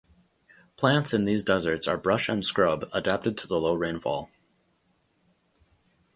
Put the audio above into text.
Plants in these deserts are brush and scrub, adapted to the low rainfall.